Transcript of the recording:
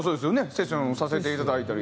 セッションさせていただいたり。